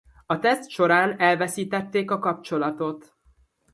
A teszt során elveszítették a kapcsolatot.